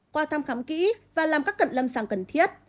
qua thăm khám kỹ và làm các cận lâm sàng cần thiết